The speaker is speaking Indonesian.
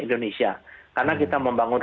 indonesia karena kita membangun